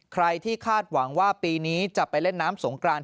ใครที่คาดหวังว่าปีนี้จะไปเล่นน้ำสงกราน